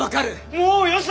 もうよせ！